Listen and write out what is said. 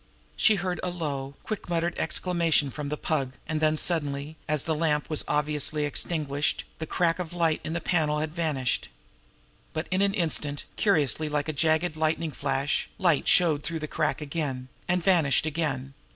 She heard a low, quick muttered exclamation from the Pug; and then suddenly, as the lamp was obviously extinguished, that crack of light in the panel had vanished. But in an instant, curiously like a jagged lightning flash, light showed through the crack again and vanished again.